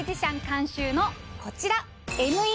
監修のこちら